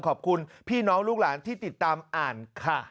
ขอบคุณพี่น้องลูกหลานที่ติดตามอ่านค่ะ